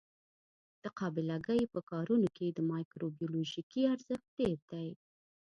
د قابله ګۍ په کارونو کې د مایکروبیولوژي ارزښت ډېر دی.